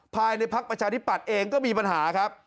ภายในภักดิ์ประชาธิปัตย์เองก็มีปัญหาครับ